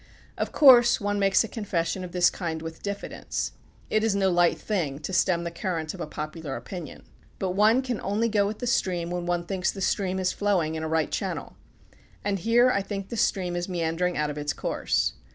Of course one makes a confession of this kind with diffidence. It is no light thing to stem the current of a popular opinion. But one can only go with the stream when one thinks the stream is flowing in a right channel. And here I think the stream is meandering out of its course.